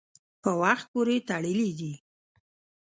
په وخت پورې تړلي دي.